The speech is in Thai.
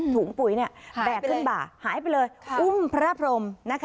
ถุงปุ๋ยแบกขึ้นบ่าหายไปเลยอุ้มพระพรม